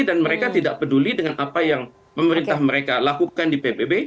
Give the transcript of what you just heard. dan mereka tidak peduli dengan apa yang pemerintah mereka lakukan di pbb